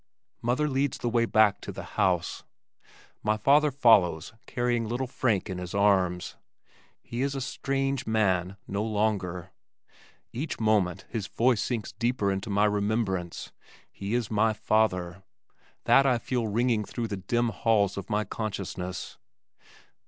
Mother leads the way back to the house. My father follows carrying little Frank in his arms. He is a "strange man" no longer. Each moment his voice sinks deeper into my remembrance. He is my father that I feel ringing through the dim halls of my consciousness.